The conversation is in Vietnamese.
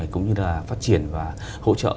cũng như là phát triển và hỗ trợ